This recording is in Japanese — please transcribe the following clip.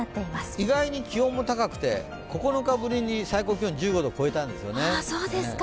意外に気温も高くて、９日ぶりに最高気温１５度を超えたんです。